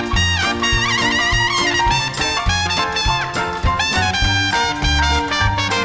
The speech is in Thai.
โปรดติดตามต่อไป